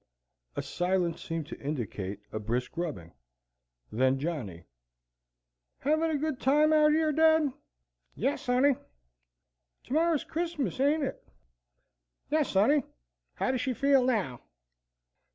A silence seemed to indicate a brisk rubbing. Then Johnny: "Hevin' a good time out yer, dad?" "Yes, sonny." "To morrer's Chrismiss, ain't it?" "Yes, Sonny. How does she feel now?"